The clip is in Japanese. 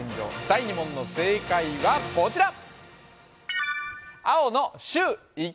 第２問の正解はこちら。